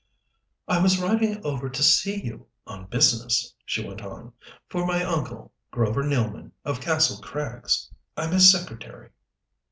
"I was riding over to see you on business," she went on. "For my uncle Grover Nealman, of Kastle Krags. I'm his secretary."